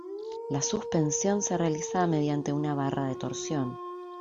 La suspensión se realiza mediante una barra de torsión.